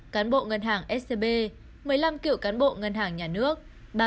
cán bộ ngân hàng scb một mươi năm cựu cán bộ ngân hàng nhà nước